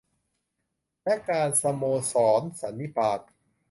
และการสโมสรสันนิบาต